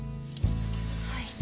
はい。